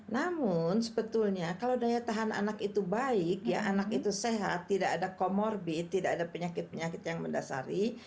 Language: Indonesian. namun sebetulnya kalau daya tahan anak itu baik anak itu sehat tidak ada comorbid tidak ada penyakit penyakit yang mendasari